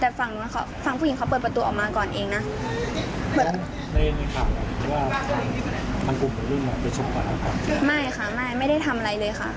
มันกลุ่มผลเรื่องน่ำไปชุดตัวล่ะค่ะไม่ค่ะไม่ไม่ได้ทำอะไรเลยคะ